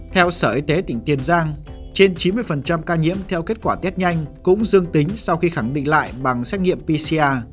theo sở y tế tỉnh tiền giang trên chín mươi ca nhiễm theo kết quả test nhanh cũng dương tính sau khi khẳng định lại bằng xét nghiệm pcr